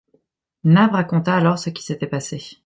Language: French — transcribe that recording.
Nab raconta alors ce qui s’était passé.